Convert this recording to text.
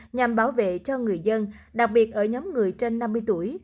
nhằm bảo vệ cho người dân đặc biệt ở nhóm người trên năm mươi tuổi